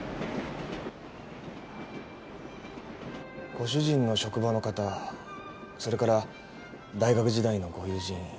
ご主人の職場の方それから大学時代のご友人